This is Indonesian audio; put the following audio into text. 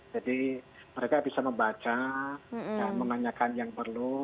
jadi mereka bisa membaca dan menanyakan yang perlu